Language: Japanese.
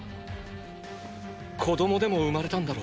子供でも生まれたんだろう。